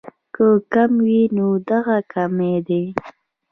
کۀ کم وي نو دغه کمے دې